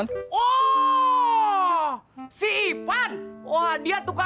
tanya lah gua